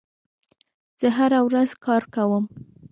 زه هره ورځ کار کوم.